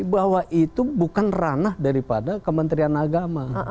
bahwa itu bukan ranah daripada kementerian agama